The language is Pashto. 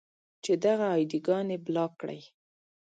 چې دغه اې ډي ګانې بلاک کړئ.